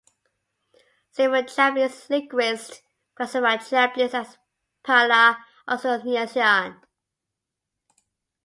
Several Japanese linguists classify Japanese as "Para-Austronesian".